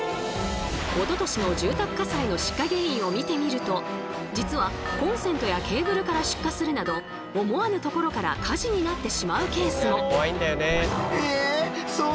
おととしの住宅火災の出火原因を見てみると実はコンセントやケーブルから出火するなど思わぬところから火事になってしまうケースも。